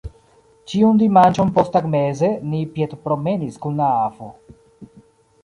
Ĉiun dimanĉon posttagmeze ni piedpromenis kun la avo.